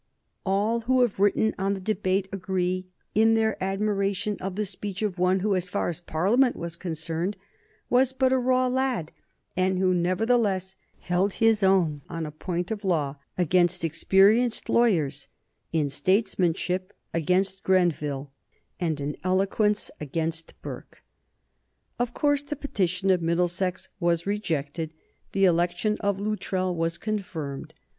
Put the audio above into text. All who have written on the debate agree in their admiration of the speech of one who, as far as Parliament was concerned, was but a raw lad and who nevertheless held his own on a point of law against experienced lawyers, in statesmanship against Grenville, and in eloquence against Burke. [Sidenote: 1769 Unpopularity of George the Third] Of course the petition of Middlesex was rejected; the election of Luttrell was confirmed.